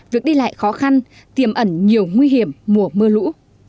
việc đi lại khó khăn tiềm ẩn nhiều nguy hiểm mùa mưa lũ